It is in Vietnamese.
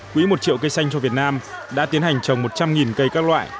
quỹ một triệu cây xanh cho việt nam đã tiến hành trồng một trăm linh cây các loại